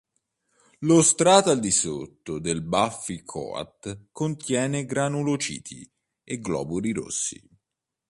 Lo strato al di sotto del buffy coat contiene granulociti e globuli rossi.